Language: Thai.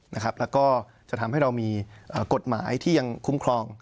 แล้วก็จะทำให้เรามีกฎหมายที่ยังคุ้มครอง